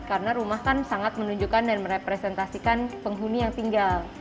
karena rumah kan sangat menunjukkan dan merepresentasikan penghuni yang tinggal